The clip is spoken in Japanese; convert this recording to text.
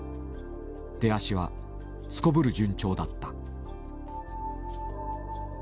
出足はすこぶる順調だった。